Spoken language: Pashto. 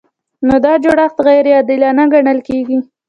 نو دا جوړښت غیر عادلانه ګڼل کیږي.